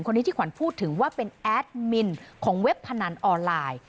คนนี้ที่ขวัญพูดถึงว่าเป็นแอดมินของเว็บพนันออนไลน์